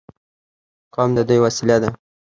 قوم د دوی وسیله ده.